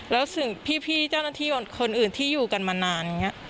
แล้วสิ่งพี่เจ้าหน้าที่คนอื่นที่อยู่กันมานานอย่างนี้